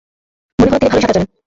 মনে হলো তিনি ভালোই সাঁতার জানেন।